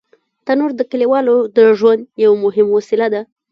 تنور د کلیوالو د ژوند یو مهم وسیله ده